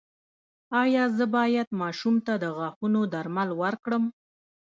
ایا زه باید ماشوم ته د غاښونو درمل ورکړم؟